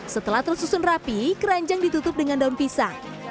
setelah tersusun rapi keranjang ditutup dengan daun pisang